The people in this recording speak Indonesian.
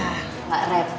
lagian kan ini cuman minuman